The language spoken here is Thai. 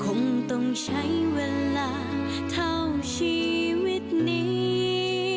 คงต้องใช้เวลาเท่าชีวิตนี้